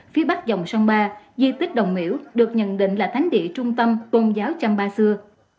phía bắc dòng sông ba di tích đồng miễu được nhận định là thánh địa trung tâm tôn giáo trăm ba xưa